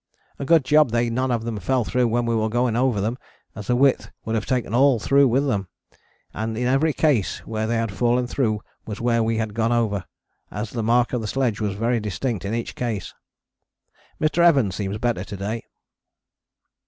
A good job they none of them fell through when we were going over them as the width would have taken all through with them, and in every case where they had fallen through was where we had gone over, as the mark of the sledge was very distinct in each case. Mr. Evans seems better to day.